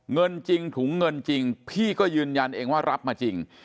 เงินจริงถุงเงินจริงพี่ก็ยืนยันเองว่ารับมาจริง